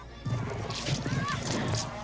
di sana ke sini